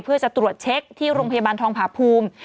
เพื่อจะตรวจเช็คที่โรงพยาบาลทองผาภูมิ